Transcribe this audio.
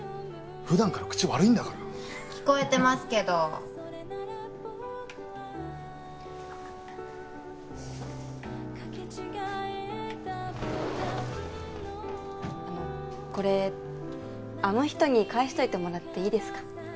普段から口悪いんだから聞こえてますけどあのこれあの人に返しといてもらっていいですか？